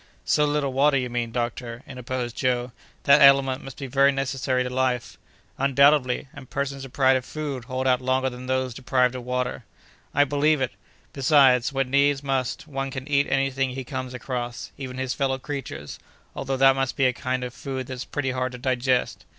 "So little water, you mean, doctor," interposed Joe; "that element must be very necessary to life." "Undoubtedly, and persons deprived of food hold out longer than those deprived of water." "I believe it. Besides, when needs must, one can eat any thing he comes across, even his fellow creatures, although that must be a kind of food that's pretty hard to digest."